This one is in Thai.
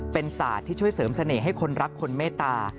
เป็นศาสตร์ที่ช่วยเสริมเสน่ห์ให้คนรักคนเมตตา